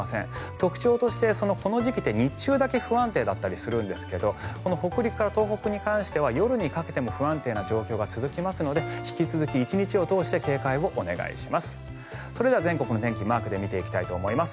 特徴として、この時期って日中だけ不安定だったりするんですが北陸から東北に関しては夜にかけても不安定な状態が続きますので引き続き１日を通して警戒をお願いします。